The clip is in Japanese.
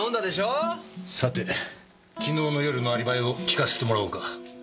さて昨日の夜のアリバイを聞かせてもらおうか。